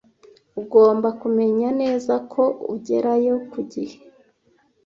Ugomba kumenya neza ko ugerayo ku gihe.